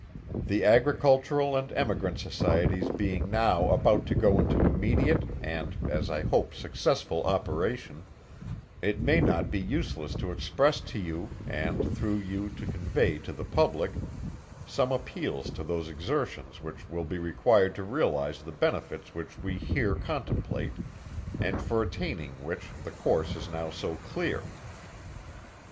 The Agricultural and Emigrant Societies being now about to go into immediate, and, as I hope successful operation, it may not be useless to express to you, and through you to convey to the Public, some appeals to those exertions which will be required to realize the benefits which we here contemplate, and for attaining which, the course is now so clear.